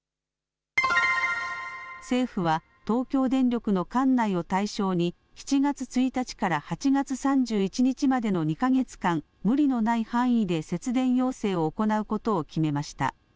政府は東京電力の管内を対象に７月１日から８月３１日までの２か月間無理のない範囲で節電要請を行うことを決めました。